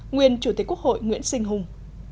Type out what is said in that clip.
nguyên chủ tịch quốc hội nguyễn sinh hùng